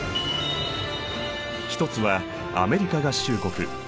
一つはアメリカ合衆国。